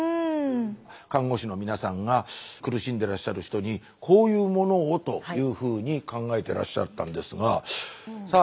看護師の皆さんが苦しんでらっしゃる人にこういうものをというふうに考えてらっしゃったんですがさあ